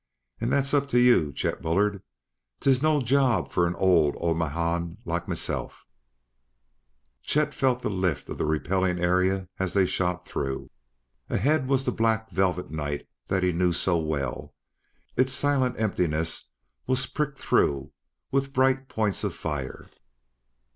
And that's up to you, Chet Bullard; 'tis no job for an old omadhaun like mesilf!" Chet felt the lift of the Repelling Area as they shot through. Ahead was the black velvet night that he knew so well; its silent emptiness was pricked through with bright points of fire.